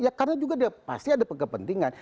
ya karena juga dia pasti ada kepentingan